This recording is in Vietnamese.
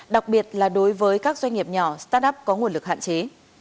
đặc biệt là đối với các doanh nghiệp nhỏ start up có nguồn lực hạn chế